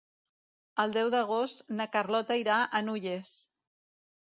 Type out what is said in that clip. El deu d'agost na Carlota irà a Nulles.